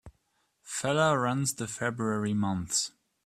Feller runs the February months.